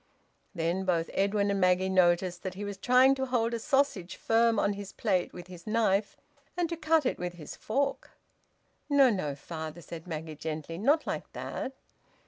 Then both Edwin and Maggie noticed that he was trying to hold a sausage firm on his plate with his knife, and to cut it with his fork. "No, no, father!" said Maggie gently. "Not like that!"